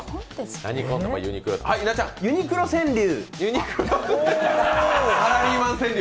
ユニクロ川柳。